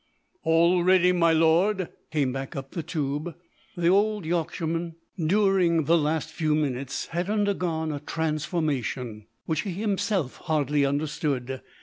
"All ready, my Lord!" came back up the tube. The old Yorkshireman during the last few minutes had undergone a transformation which he himself hardly understood.